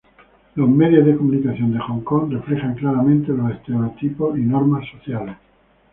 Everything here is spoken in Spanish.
Los medios de comunicación de Hong Kong reflejan claramente los estereotipos y normas sociales.